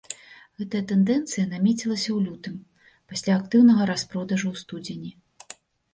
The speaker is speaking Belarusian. Гэтая тэндэнцыя намецілася ў лютым, пасля актыўнага распродажу ў студзені.